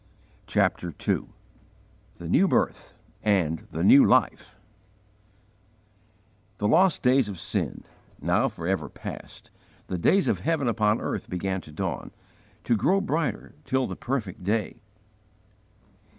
CHAPTER II THE NEW BIRTH AND THE NEW LIFE THE lost days of sin, now forever past, the days of heaven upon earth began to dawn, to grow brighter till the perfect day.